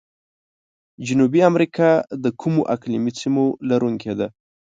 جنوبي امریکا د کومو اقلیمي سیمو لرونکي ده؟